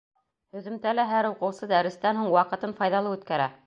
Һөҙөмтәлә һәр уҡыусы дәрестән һуң ваҡытын файҙалы үткәрә.